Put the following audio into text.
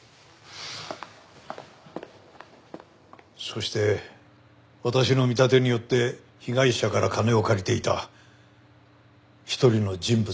そして私の見立てによって被害者から金を借りていた一人の人物が浮上した。